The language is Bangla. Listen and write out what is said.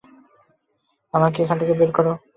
আমাকে এখান থেকে বের করো!